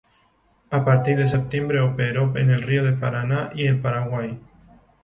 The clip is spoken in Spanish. A partir de septiembre operó en el río Paraná y el Paraguay.